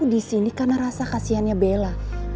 di sini karena rasa kasihannya bella